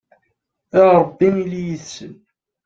a rebbi ili yid-sen